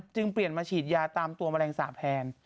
จึงเปลี่ยนมาฉีดยาตามตัวแมลงสาปแทน